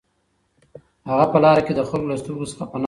هغه په لاره کې د خلکو له سترګو څخه پناه شو